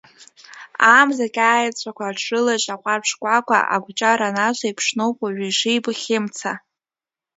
Амзагь аеҵәақәа аҽрылажь, аҟәарҭ-шкәакәа акәҷар анацу еиԥшноуп уажә ишибо Хьымца.